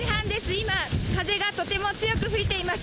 今風がとても強く吹いています。